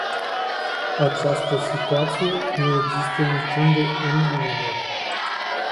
Această situație nu există niciunde în lume.